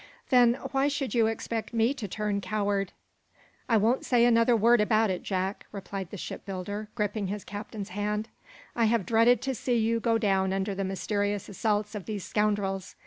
"Then why should you expect to see me turn coward?" "I won't say another word about it, Jack!" replied the shipbuilder, gripping his captain's hand. "I have dreaded to see you go down under the mysterious assaults of these scoundrels.